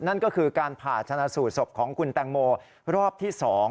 นั่นก็คือการผ่าชนะสูตรศพของคุณแตงโมรอบที่๒